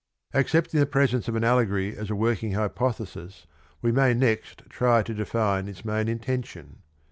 Accepting the presence of an allegory as a working hypothesis we may next try to define its main intention.